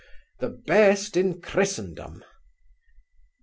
'The best in Christendom.